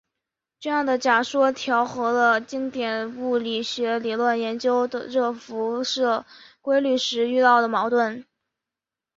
这样的假说调和了经典物理学理论研究热辐射规律时遇到的矛盾。